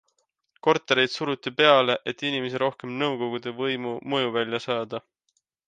Kortereid suruti peale, et inimesi rohkem nõukogude võimu mõjuvälja saada.